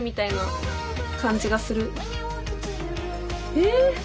え。